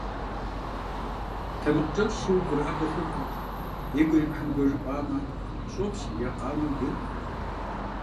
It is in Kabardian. Тэмакъкӏэщӏщи уӏурыӏэбэ хъуркъым. Игу иримыхьын гуэр жыпӏамэ, щӏопщым е къамэм йопхъуэ.